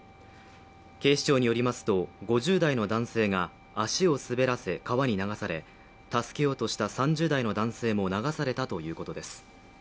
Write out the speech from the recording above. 警視庁によりますと、５０代の男性が足を滑らせ、川に流され、助けようとした３０代の男性も流されたということです。